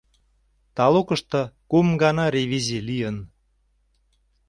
Талукышто кум гана ревизий лийын.